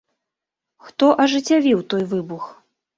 Хто ажыццявіў той выбух?